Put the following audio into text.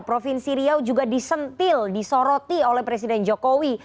provinsi riau juga disentil disoroti oleh presiden jokowi